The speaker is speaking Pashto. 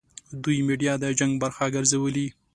دوی میډیا د جنګ برخه ګرځولې.